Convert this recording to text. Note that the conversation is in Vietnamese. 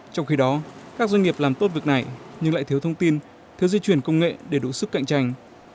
trong khi đó các doanh nghiệp làm tốt việc này nhưng lại thiếu thông tin thiếu di chuyển công nghệ để đủ sức cạnh tranh